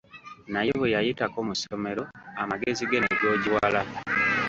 Naye bwe yayitako mu ssomero amagezi ge ne googiwala.